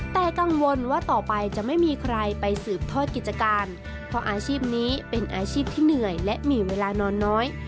แต่กังวลว่าต่อไปจะไม่มีใครไปสืบทอดกิจการเพราะอาชีพนี้เป็นอาชีพที่เหนื่อยและมีเวลานอนน้อย